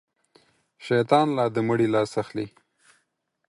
شيطان لا د مړي لاس اخلي.